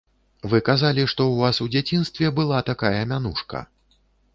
Вы казалі, што ў вас у дзяцінстве была такая мянушка.